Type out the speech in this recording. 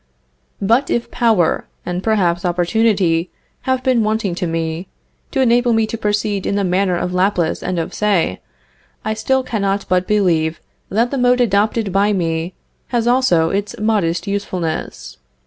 But if power, and perhaps opportunity, have been wanting to me, to enable me to proceed in the manner of Laplace and of Say, I still cannot but believe that the mode adopted by me has also its modest usefulness.